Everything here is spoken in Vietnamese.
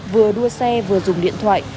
vừa đua xe vừa dùng điện thoại